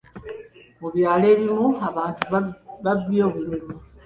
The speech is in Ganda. Mu byalo ebimu, abantu babbye obululu.